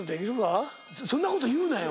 そんなこと言うなよ